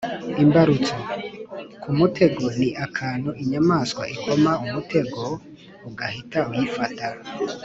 imbarutso: ku mutego ni akantu inyamaswa ikoma umutego ugahita uyifata.